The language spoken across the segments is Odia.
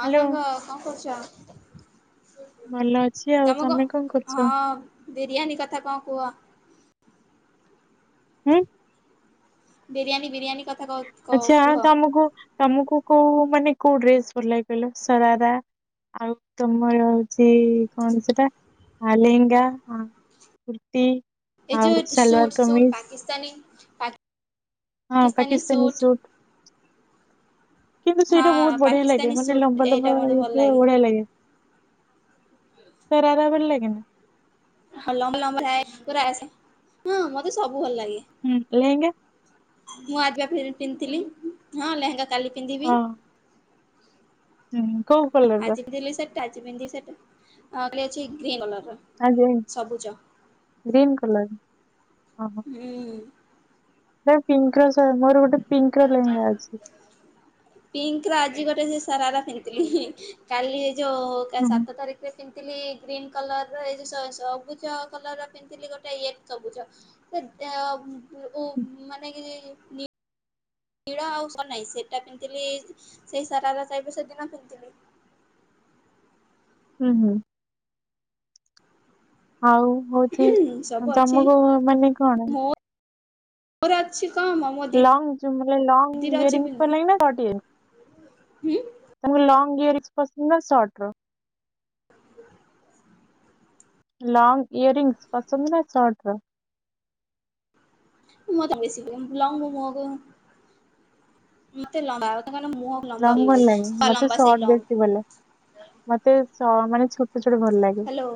ହଁ ହ୍ୟାଲୋ ସାଙ୍ଗ କଁ କରୁଚ? ଭଲ ଅଛି। ଆଉ ତମେ କଁ କରୁଚ? ହଁ ବିରିୟାନୀ କଥା କଁ କୁଅ? ହୁଁ! ବିରିୟାନୀ ବିରିୟାନୀ କଥ୍ ଆଛା ତମୁକୁ ତମକୁ କୋଉ ମାନେ କୋଉ ଡ୍ରେସ୍ ଭଲ ଲାଗେ କଇଲ ସରାରା ଆଉ ତମର ହଉ ଚି କଣ ସେଟା ଆ ଲେହେଙ୍ଗା ଆ କୃର୍ତି। ଏଇ ଯୋଉ ସୁଟ୍ ସୁଟ୍ ପାକିସ୍ତାନୀ ପାକ୍ ହଁ କିସ୍ତାନୀ ସୁଟ୍। [unintelligible] କିନ୍ତୁ ହଁ ସେଇଟା ବହୁତ୍ ବଢିଆ ଲାଗେ ପାକିସ୍ତାନୀ ମାନେ ସୁଟ୍ ଲମ୍ବା ଏଇଟା ଲମ୍ବା ମତେ ଭଲ ହେଇଥିବ ବଢିଆ ଲାଗେ। ସାରାରା ଭଲ ଲାଗେନି? ହଁ ଲମ୍ବ୍ ଲମ୍ବ୍ [unintelligible] ପୁରା ଆସେ ହୁଁ ମତେ ସବୁ ଭଲ ଲାଗେ। ହୁଁ ଲେହେଙ୍ଗା। ମୁଁ ଆଜିବା ଫିର୍ ପିନ୍ତିଥିଲି ହଁ ଲେହେଙ୍ଗା କାଲି ପିନ୍ଧିବି। ହଁ ହୁଁ କୋଉ କଲର ର ଆଜି ପିନ୍ଧିଲି ସେଟା ଆଜି ପିନ୍ଧି ସେଟା ଅ କାଲି ଅଛି [unintelligible] କଲରର। [unintelligible] ସବୁଜ। ଗ୍ରୀନ୍ କଲର ହଁ ହଁ। ହୁଁ। ପୁରା ପିଙ୍କର ସେ ମୋର ଗୋଟେ ପିଙ୍କର ଲେହେଙ୍ଗା ଅଛି। ପିଙ୍କର ଆଜି ଗୋଟେ ସେ ସାରାରା ପିନ୍ତିତିଲି କାଲି ଏ ଯୋଉ କା ହୁଁ ହୁଁ ସାତ ତାରିଖ୍ [unintelligible] ପିନ୍ଧିଥିଲି ଗ୍ରୀନ କଲର ଏ ଯୋଉ ସ ସବୁଜ କଲରର ପିନ୍ଧିଥିଲି ଗୋଟେ [unintelligible] ସବୁଜ। ସେ ଅ ବୁ ଉ ମାନେ କିଛି ନି ନୀଳି ଆଉ [unintelligible] ନାହିଁ ସେଟା ପିନ୍ତିତିଲି ସେଇ ସାରାରା ଟାଇପର ସେଦିନ ପିନ୍ଧିଥିଲି। ହୁଁ ହୁଁ। ଆଉ ହଉଛି ସବୁ ଅଛି ତମକୁ ମାନେ କଣ ମୋର ଅଛି କମ ମୋ ଲଙ୍ଗ ଯଉ ମାନେ ଲଙ୍ଗ ଦିଦିର ଅଛି ହୁଁ ଇଅରିଙ୍ଗସ ଭଲ ଲାଗେ ନା ସର୍ଟ ଇଅରିଙ୍ଗସ? ତମକୁ ଲଙ୍ଗ ଇୟରିଙ୍ଗସ ପସନ୍ଦ ନା ସର୍ଟର? [unintelligible] ଲଙ୍ଗ ଇୟରିଙ୍ଗସ ପସନ୍ଦ ନା ସର୍ଟର? ମତେ ବେଶୀ ଲଙ୍ଗ ମୋ ମୁହଁକୁ ମତେ ଲମ୍ବା ମାନେ ମୁହଁ ଲମ୍ବା ଲଙ୍ଗ ଭଲ ଲାଗେ ମତେ ଲମ୍ବା ସେଇ ସର୍ଟ ଲଙ୍ଗ ବେଶୀ ଭଲ ମତେ ସ ମାନେ ଛୋଟ ଛୋଟ ଭଲ ଲା ହ୍ୟାଲୋ।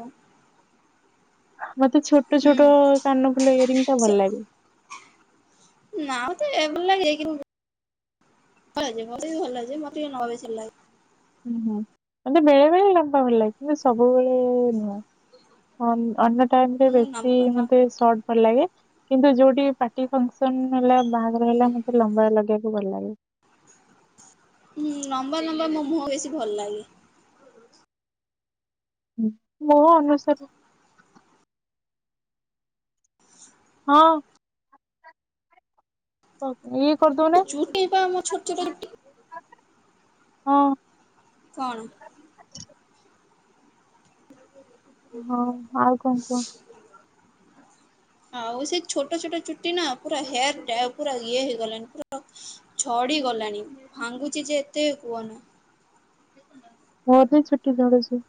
ମତେ ଛୋଟ ଛୋଟ କାନଫୁଲ ଇୟରିଙ୍ଗଟା ହୁଁ ଭଲ ଲାଗେ। ନା ମତେ ଭଲ ଲାଗେ କିନ୍ତୁ ଭଲ ମତ ଭଲ ମତେ ନ ବସ ଲାଗେ। ହୁଁ ହୁଁ ଏମିତି ବେଳେବେଳେ ଲମ୍ବା ଭଲ ଲାଗେ କିନ୍ତୁ ସବୁବେଳେ ନୁହଁ। ଅନ୍ୟ ଟାଇମରେ ମୁଁ ବେଶୀ ନମ୍ବା ନ ମତେ ସଟ ଭଲ ଲାଗେ କିନ୍ତୁ ଯୋଉଠି ପା ର୍ଟି ଫଙ୍କସନ ହେଲା ବାହାଘର ହେଲା ମତେ ଲମ୍ବା ଲଗେଇବାକୁ ଭଲ ଲାଗେ। ହୁଁ ଲମ୍ବା ଲମ୍ବା ମୋ ମୁହଁକୁ ବେଶୀ ଭଲ ଲାଗେ। ମୁହଁ ଅନୁସାରେ ହଁ। ଇଏ କରିଦଉନା। ଚୁଟି ପା ମୋର ଛୋଟ ଛୋଟ ଚୁଟି। ହଁ। କଣ? ହଁ ଆଉ କଣ କୁହ? ଆଉ ସେ ଛୋଟ ଛୋଟ ଚୁଟି ନା ପୁରା ହେୟାର ଡ୍ରାଏ ପୁରା ଇଏ ହେଇଗଲାଣି ପୁରା ଝଡି ଗଲାଣି ଭାଙ୍ଗୁଛି ଯେ ଏତେ କୁହନା। ମୋ ବି ଚୁଟି ଝଡୁଛି।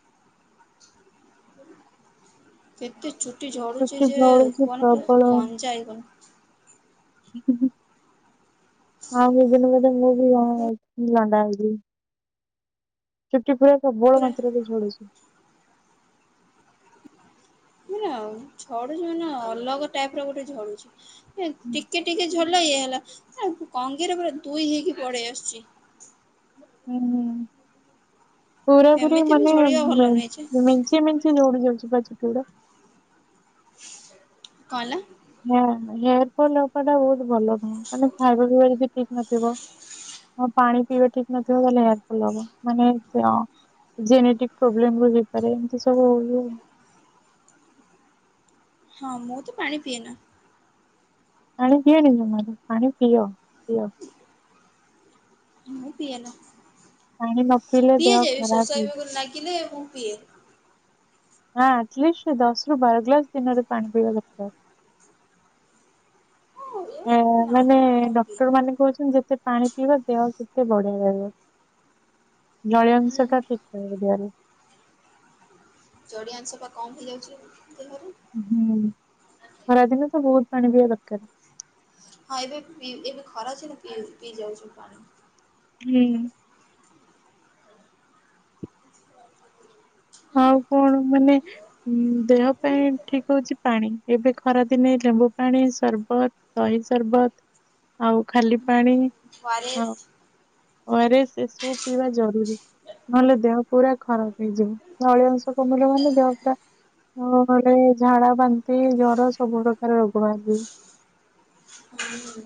କେତେ ଚୁଟି ଝଡୁଛି ଚୁଟି ଯେ ଝଡୁଛି କୁହନି ପୁରା ପ୍ରବଳ ପଞ୍ଜାଏ କ ହଁ କେଇ ଦିନ ଗଲେ ମୁଁ ବି ଲଣ୍ଡା ହେଇଯିବି। ଚୁଟି ପୁରା ପ୍ରବଳ ମାତ୍ରାରେ ଝଡୁଛି। ମାନେ ଝଡୁଛି ମାନେ ଅଲଗା ଟାଇପର ଗୋଟେ ଝଡୁଛି। ହୁଁ ଟିକେ ଟିକେ ଝଡିଲେ ଇଏ ହେଲା କଙ୍ଗିରେ ପୁରା ଦୁଇ ହେଇକି ପଳେଇ ଆସୁଛି। ଉଁହୁଁ ପୁରାପୁରୀ ଏମିତି ବି ମାନେ ଝଡ଼ିବା ଭଲ ମେ ନୁହେଁ ଯେ ମେଞ୍ଚେ ମେ ଞ୍ଚେ ଝଡି ଯାଉଛି ପା ଚୁଟି ଗୁଡ଼ା। କଣ ହେଲା? ନା ନା ହେୟାର ଫଲ ହବାଟା ବହୁତ ଭଲ ନୁହଁ ମାନେ ଖାଇବା ପିଇବାରେ ଯଦି ଠିକ ନଥିବ ହଁ ପାଣି ପିଇବା ଠିକ ନଥିବ ତାହେଲେ ହେୟାର ଫଲ ହବ ମାନେ ଜେନେଟିକ ପ୍ରୋବ୍ଲେମରୁ ହେଇପାରେ ଏମିତି ସବୁ ହଉଚି ଆଉ ହଁ ମୁଁ ତ ପାଣି ପିଏ ନା। ପାଣି ପିଅ ନି ଜମାରୁ ପାଣି ପିଅ ପିଅ। ମୁଁ ପିଏ ନା, ପାଣି ନ ପିଇଲେ ପିଏ ଦେହ ଯେ ଖରାପ ଶୋଷ ହୁଏ। ନାଗିଲେ ମୁଁ ପିଏ। ନା ଆଟଲିଷ୍ଟ ଦଶରୁ ବାର ଗ୍ଲାସ ଦିନରେ ପାଣି ପିଇବା ଦରକାର। ହଁ ଏ ନା ମାନେ କମ୍ ପିଏ ଡକ୍ଟରମାନେ କହୁଛନ୍ତି ଯେତେ ପାଣି ପିଇବା ଦେହ ସେତେ ବଢିଆ ରହିବ। ଜଳିଆ ଅଂଶ ହୁଁ ଟା ଠିକ୍ [unintelligible] ଜଳିଆଅଂଶ ଟା କମ ହେଇଯାଉଛି ଦେହରୁ। ହୁଁ ଖରାଦିନ ତ ବହୁତ ପାଣି ପିଇବା ଦରକାର। ହଁ ଏବେ ଏବେ ଖରା ଦିନ ପିଇ ଯାଉଛି ପାଣି। ହୁଁ। ହଁ ଆଉ କଣ ମାନେ? ଉଁ ଦେହ ପାଇଁ ଠିକ୍ ହଉଛି ପାଣି ଏବେ ଖରାଦିନେ ଲେମ୍ବୁ ପାଣି ସରବତ। ଦହି ସରବତ ଆଉ ଖାଲି ପାଣି। ୱାରେସ। ୱାରେସ ସେସବୁ ପିଇବା ଜରୁରୀ ନହେଲେ ଦେହ ପୁରା ଖରାପ ହେଇଯିବ। ଜଳୀୟଅଂଶ କମିଲେ ମାନେ ଦେହ ପୁରା ଖରାପ। ହ ଗୋଟେ ଝାଡା ବାନ୍ତି ଜର ସବୁ ପ୍ରକାର ରୋଗ ପାଆନ୍ତି। ହୁଁ।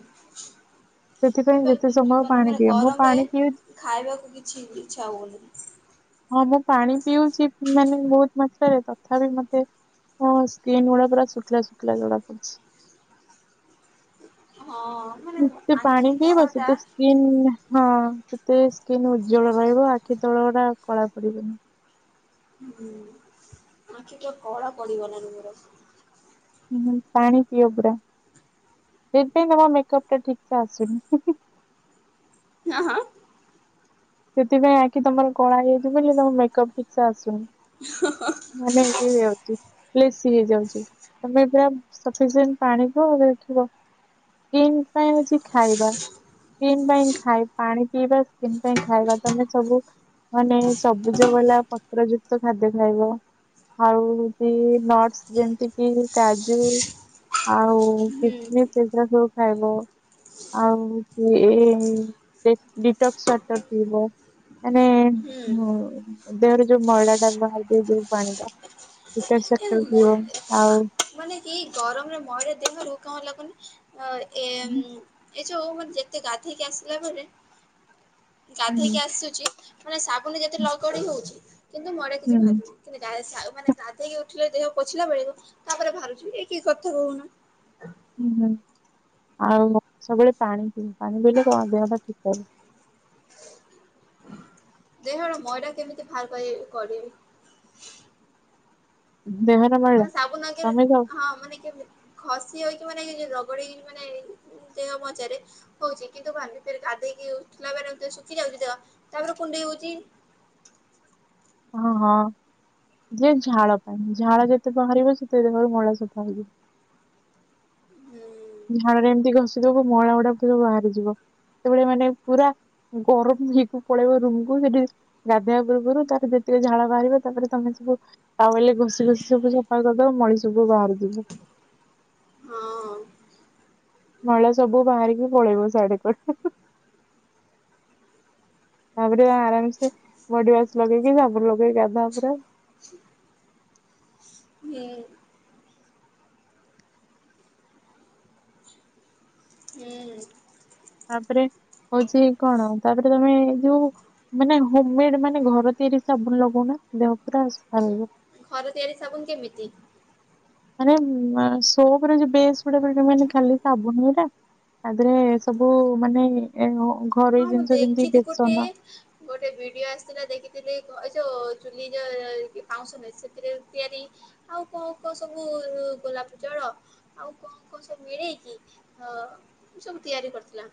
ସେଥିପାଇଁ ଯେତେ ସମୟ ଜୀବନ ପାଣି ମାନେ ପିଅ ମୁଁ ଗରମରେ ପାଣି ପିଉଛି ଖାଇବାକୁ କିଛି ଇଛା ହଉନି। ହଁ ମୁଁ ପାଣି ପିଉଛି ମାନେ ବହୁତ ମାତ୍ରାରେ ତଥାପି ମତେ ହଁ ସ୍କିନ୍ ଗୁଡା ପୁରା ଶୁଖିଲା ଶୁଖିଲା ଜଣା ପଡୁଛି। ହଁ ମାନେ ସେ ପାଣି ଆଖି ପିଇବ ତଳଟା ସେ ସ୍ ହଁ ତତେ ସ୍କିନ୍ ଉଜ୍ଜଳ ରହିବ ଆଖି ତଳ ଦାଗଟା କଳା ପଡିବନି। ହୁଁ ଆଖି ତଳ କଳା ପଡିବ ନା ମୋର। ହୁ ପାଣି ପିଅ ପୁରା ସେଥିପାଇଁ ତ ମେକପଟା ଠିକ ସେ ଆସୁନି। ହାଁ ହାଁ। ସେଥିପାଇଁ ଆଖି ତମର କଳା ହେଇଥିବ ବୋଲି ତେ ମେକଅପ ଠିକସେ ଆସୁନି। ହ ହ ମାନେ ହେଇ ହେଇ ଯାଉଛି। ବେଶୀ ହେଇଯାଉଛି ତମେ ପୁରା ସଫିସେଣ୍ଟ ପାଣି ପିଅ ଦେଖିବ? ସ୍କିନ ପାଇଁ ଅଛି ଖାଇବା। ସ୍କିନ ପାଇଁ ଖାଇ ପାଣି ପିଇବା ସ୍କିନ ପାଇଁ ଖାଇବା ତମେ ସବୁ ମାନେ ସବୁଜ ବଲା ପତ୍ର ଯୁକ୍ତ ଖାଦ୍ୟ ଖାଇବ? ଆଉ ନଟସ ଯେମିତି କି କାଜୁ ଆଉ ହୁଁ କିସମିସ ଏଗୁରା ସବୁ ଖାଇବ? ଆଉ ଯେ ଏଇ ଡିଟକ୍ସ ୱାଟର ପିଇବ। ହୁଁ ମାନେଁ ଦେହରୁ ଯୋଉ ମଇଳାଟା ବାହାରି ଯାଉଛି ଯୋଉ ପାଣିିବା ଡିଟକ୍ସ ୱାଟର। ମାନେ ଏଇ ଗରମରେ ମଇଳା ଦେହରୁ କଣ ଲାଗୁନି। ହଁ ଏ ହୁଁ ଏ ଯୋଉ ମାନେ ଯେତେ ଗାଧେଇକି ଆସିଲା ପରେ ଗାଧୋଇକି ଆସୁଛି ମାନେ ସାବୁନ ଯେତେ ଲଗଡି ହଉଛି କିନ୍ତୁ ମୋରେ କିଛି ହୁଁ ଭାବୁନି। କିନ୍ତୁ ମାନେ ଗାଧେଇକି ଉଠିଲେ ଦେହ ପୋଛିଲା ବେଳକୁ ତାପରେ ଭାବୁଛିି ଏ କି କଥା କହୁନ? ହୁଁ ହୁଁ ଆଉ ସବୁବେଳେ ପାଣି ପିଇ ପାଣି ପିଇଲେ ଦେହ ଟା ଠିକ ରହିବ। ଦେହର ମଇଳା କେମିତି ବାହାର କରିବି? [inaudible] ମାନେ ସାବୁନ ଆଗରେ ତମେ ଖାଉ ହଁ ମାନେ କି ଘସି ହଉକି ମାନେ ରଗଡି ହଉ ମାନେ ଦେହ ପଚାରେ? ହଉଛି କିନ୍ତୁ ଭାବରେ ଗାଧେଇକି ଉଠିଲା ପରେ ଶୁଖି ଯାଉଛି ଦେହ ତାପରେ କୁଣ୍ଡେଇ ହଉଛି। ହଁ ହଁ ଯୋଉ ଝାଳ ପାଇଁ ଝାଳ ଯେତେ ବାହାରିବ ସେତେ ଦେହରୁ ମଇଳା ସଫା ହେଇଯିବ। ହୁଁ ଝାଳରେ ଏମିତି ଘଷିଦବ ମଇଳା ଗୁଡା ପୁରା ବାହାରିଯିବ ସେତଭଳି ମାନେ ପୁରା ଗରମ ହେଇକି ପଳେଇବ ରୁମକୁୁ ସେଠି ଗାଧୋଇବା ପୂର୍ବରୁ ତାର ଯେତିକି ଝାଳ ବାହାରିବ ତାପରେ ତମେ ସବୁ ତା ବଲେ ଘଷି ଘଷି ସବୁ ସଫା କରିଦବ ମଳି ସବୁ ବାହାରି ଯିବ। ହଁ ମଇଳା ସବୁ ବାହାରିକି ପଳେଇବ ସାଢେ କୁଆଡେ ତାପରେ ଆରାମ ସେ ବଡି ୱାସ ଲଗେଇକି ସାବୁନ ଲଗେଇକି ଗାଧାଅ ପୁରା। ହୁଁ। ହୁଁ। ତାପରେ ହଉଚି କଣ ତାପରେ ତମେ ଏ ଯୋଉ ମାନେ ହୋମ ମେଡ୍ ମାନେ ଘର ତିଆରି ସାବୁନ୍ ଲଗାଉନା ଦେହ ପୁରା ସଫା ରହିବ। ଘର ତିଆରି ସାବୁନ୍ କେମିତି। ମାନେ ସୋପରେ ଯୋଉ ବେସ୍ ଗୁଡ଼ା ହୁଏନି ମାନେ ଖାଲି ସାବୁନୁ ଗୁରା। ଆଗରେ ସବୁ ମାନେ ଘରୋଇ ହଁ ମୁଁ ଜିନିଷ ଯେମତି ଦେଖିଛି ଗୋଟେ ବେସନ ଗୋଟେ ଭିଡିଓ ଆସିଥିଲା ଦେଖିଥିଲି ଏ ଯୋଉ ଚୁଲି ଯୋଉ ପାଉଁଶ ନୁହେଁ ସେଥିରେ ତିଆରି ଆଉ କଣ କଣ ସବୁ ଗୋଲାପ ଜଳ ଆଉ କଣ କଣ ସବୁ ମିଳେଇକି ଅ ସବୁ ତିଆରି କରିଥିଲା।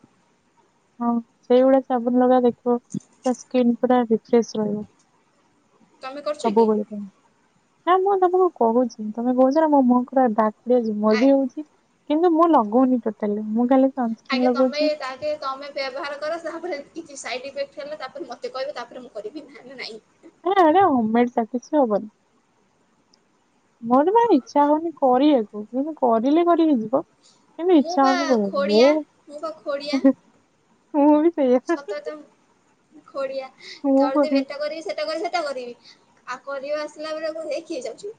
ହଁ ସେଇଭଳିଆ ସାବୁନ୍ ଲଗା ଦେଖିବ ସ୍କ୍ରିନ୍ ପୁରା ରିଫ୍ରେସ୍ ରହିବ। ତମେ କରୁଛ କି? ସବୁ ବେଳେ ପାଇଁ। ନା ମୁଁ ତମକୁ କହୁଚି ତମେ କହୁଚ ନା ମୋ ମୁହଁର ଡାର୍କ ବ୍ଲେଶ ଆ ମର ବି ହଉଚି। କିନ୍ତୁ ମୁଁ ଲଗଉନି ଟୋଟାଲି ମୁଁ ଖାଲି ସନସ୍କ୍ରିନ୍ ଆଗେ ତମେ ଲଗଉଛି ତାହେକେ ତମେ ବ୍ୟବହାର କର ତାପରେ କିଛି ସାଇଡ ଇଫେକ୍ଟ ହେଲେ ତାପରେ ମତେ କହିବ ତାପରେ ମୁଁ କରିବି ନହେଲେ ନାଇଁ। ହଁ ଆରେ ହମ ମେଡ ସା କିଛି ହବନି। ମୋର ପା ଇଚ୍ଛା ହଉନି କରିବାକୁ କିନ୍ତୁ କରିଲେ କରି ହେଇଯିବ। କାହିଁକି ନା ମୁଁ ଇଚ୍ଛା ପା ହେଉନି ଖୋଡିଆ ମୁଁ ପା ଖୋଡିଆ କରିବାକୁ ହେ ମୁଁ ବି ସେଇୟା ହୁଁ ହୁଁ। ଖଡ଼ିଆ କରିଦେବି ଏଟା କରିବି ସେଟା କରିବି ସେଟା କରିବି ଆଉ କରିବା ଆସିଲା ବେଳେକୁ ହେ କିଏ ଯାଉଚି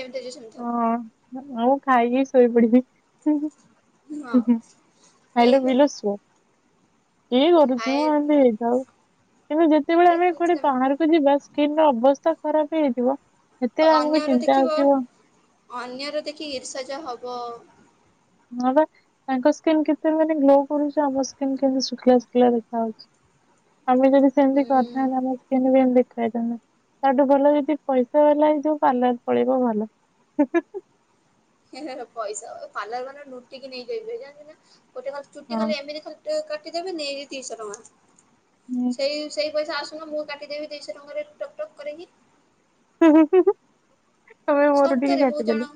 ଯେମିତି ଅଛି ସେମିତି ଥାଉ। ମୁ ମୁଁ ଖାଇକି ଶୋଇ ପଡ଼ିବି। ହୁ ହଁ। ହୁ ଖାଇଲ ସେଇବା ପିଇଲ ସୁଅ। କିଏ କରୁଚି ଖାଏ ମୋ ଏମତି ହେଇଥାଉ କିନ୍ତୁ ଯେତେବେଳେ ଏ ଆମେ ତୁ କୁଆଡ଼େ ସେମିତି ବାହାରକୁ କୁ ଯିବା ସ୍କ୍ରିନ୍ ର ଅବସ୍ଥା ଖରାପ୍ ହେଇ ଯାଇଥିବ ସେତେବେଳେ ଆମକୁ ଅନ୍ୟର ଚିନ୍ତା ଦେଖିବ ଆସିବ ଅନ୍ୟର ଦେଖିକି ଈର୍ଷା ଯୋ ହବ। ହଁ ପା ତାଙ୍କ ସ୍କିନ୍ କେତେ ମାନେ ଗ୍ଲୋ କରୁଚି ଆମ ସ୍କିନ୍ କେମତି ଶୁଖିଲା ଶୁଖିଲା ଦେଖା ଯାଉଚି। ଆମେ ଯଦି ସେମିତି ଉଁ କରିଥାନ୍ତେ ଆମର ସ୍କିନ୍ ବି ଏମିତି ଦେଖା ହେଇଥାନ୍ତା। ତା ଠୁ ଭଲ ଯଦି ପଇସା ହେଲା ଯୋଉ ପାଲର୍ ପଳେଇବ ଭଲ ହୁ ହୁ। ଏ ହେ ହେ ପଇସା ପାଲାର ବାଲା ଲୁଟିକି ନେଇଯିବେ ଜାଣିଚୁ ନା ଗୋଟେ ଖାଲି ଚୁଟି ହଁ କଲେ ଏମିତି ଖାଲି ଟିକେ କାଟିଦେବେ ନେଇକି ଦିଶହ ଟଙ୍କା ସେଇ ସେଇ ପଇସା ଆସୁନ ମୁଁ କାଟିଦେବି ଦିଇଶହ ଟଙ୍କାରେ ଟକ୍ ଟକ୍ କରିକି। ହୁଁ ହୁଁ ତମେ ମୋର ଟିକେ ସତରେ ବହୁତ ଜଣ କାଟିଦେଲ।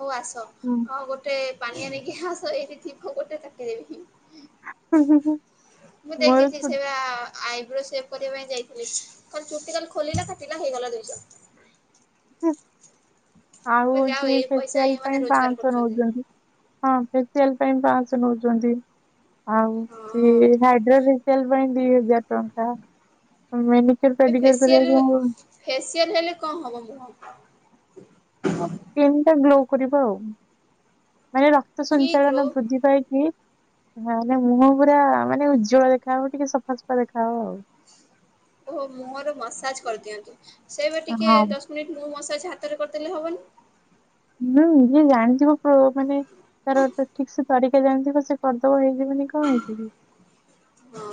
ହଉ ଆସ। ହୁଁ। ହଁ ଗୋଟେ ପନିଆ ନେଇିକି ଆସ ଏଇଠି ଥିବ ଗୋଟେ କାଟିଦେବି। ମୁଁ ମୋର ଦେଖିଚି ଛୋଟ ସେଇ ବା ଆଇବ୍ରୋ ସେପ୍ କରିବା ପାଇଁ ଯାଇଥିଲି ଖାଲି ଚୁଟି ଖାଲି ଖୋଲିଲା କାଟିଲା ହେଇଗଲା ଦୁଇଶହ। ହୁ ଆଉ ଯାହା ହଉ ହଉଚି ଏଇ ପଇସା ଫେସିଆଲ୍ ଏଇ ମାନେ ପାଇଁ ରୋଜଗାର ପାଞ୍ଚଶହ କରୁଛନ୍ତି। ନେଉଛନ୍ତି। ହଁ ଫେସିଆଲ୍ ପାଇଁ ପାଞ୍ଚଶହ ନେଉଛନ୍ତି। ଆଉ ହଁ ସିଏ ହାଇଡ୍ରୋଲ ଫେସିଆଲ୍ ପାଇଁ ଦି ହଜାର ଟଙ୍କାେ ମୁକଇନି [unintelligible] କରିବାର କଣ ଫେସିଆଲ୍ ହେଲେ କଣ ହବ ମୁହ? ସ୍କିନ୍ ଟା ଗ୍ଲୋ କରିବ ଆଉ ମାନେ ର କ୍ତ କି ସଞ୍ଚାଳନ ଗ୍ଲୋ ବୃଦ୍ଧି ପାଇକି ହ ନାଁ ମୁହଁ ପୁରା ମାନେ ଉଜ୍ଜ୍ଵଳ ଦେଖା ହବ ଟିକେ ସଫାସଫା ଦେଖା ହବ ଆଉ। ଓହୋ ମୁହଁର ମସାଜ କରିଦିଅନ୍ତି ସେଇବେ ଟିକେ ହଁ ଦ ମୁଁ ଏଇଠି ମୁଁ ମସାଜ୍ ହାତରେ କରିଦେଲେ ହବନି। ହୁଁ ଯିଏ ଜାଣିଥିବ ମାନେ ତାର ଗୋଟେ ଠିକ୍ ସେ ତରିକା ଜାଣିଥିବ ସେ କରିଦବ ହେଇଯିବନିକି କଣ ହେଇଚିକି।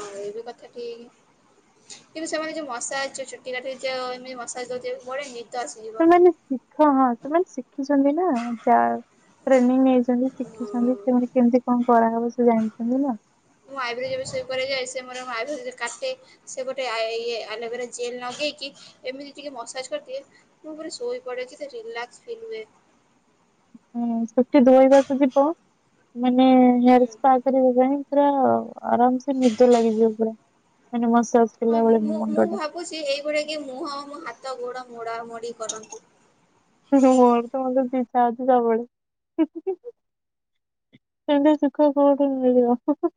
ହଁ ଏଇ ବି କଥା ଠିକ୍। କିନ୍ତୁ ସେମାନେ ଯୋଉ ମସାଜ ଚୁଟି କାଟିଚ ଏମିତି ମସାଜ ଜୋଉ ବଡିନି। ସେମାନେ ଶିଖ ହଁ ସେମାନେ ଶିଖିଛନ୍ତି ନା ଯା ଟ୍ରେନିଙ୍ଗ୍‌ ନେଇ ସେମାନେ ହଁ, ଶିଖୁଛନ୍ତି ସେମାନେ କେମିତି କଣ କରାହବ ସେ ଜାଣିଛନ୍ତି ନା। ମୁଁ ଆଇବ୍ରିଜ୍ ବିଷୟ କରୋଏ ସେ ମରଁ ଆବ୍ରିଜ୍ କାେ [unintelligible] ସେ ଗୋଟେ ଇ ଆଲୋଭେରା ଜେଲେ ଲଗେଇକି ଏମିତି ଟିକେ ମସାଜ କରିଦିଏ। ମୁଁ ପୁରା ଶୋଇ ପଡେ ଯେ ସେଠି ରିଲାସ ଫିଲ ହୁଏ। ହୁଁ ସେଠି ଧୋଇବାକୁ ଯିବ? ମାନେ ହୁଁ। ପାରେ ହେବାଣି ପୁରା [unintelligible] ଆରାମ ସେ ନିଦ ଲାଗିଯିବ ପୁରା ମାନେ ମସାଜ ହଁ କଲା ମୁଁ ବେଳେ ମୁଁ ମୁଁ ମୁଣ୍ଡ ଭାବୁଛି ଏଇଭଳିଆ କିଏ ମୁହଁ ମୋ ହାତ ଗୋଡ ମୋଡା ମୋଡି କରନ୍ତୁ। ଘୋର ତମା ଅଛି ତା [unintelligible] ସେମିତି ସୁଖ କୋଉଠି ମିଳିବ ହେଁ।